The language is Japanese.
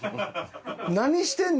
何してんの？